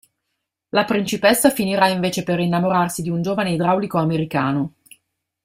La principessa finirà invece per innamorarsi di un giovane idraulico americano.